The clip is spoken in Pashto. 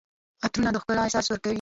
عطرونه د ښکلا احساس ورکوي.